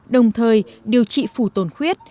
đồng thời điều trị phù tồn khuyết